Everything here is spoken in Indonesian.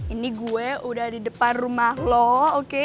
ini gue udah di depan rumah loh oke